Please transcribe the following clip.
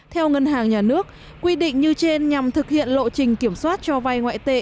theo ngân hàng nhà nước quy định như trên nhằm thực hiện lộ trình kiểm soát cho vay ngoại tệ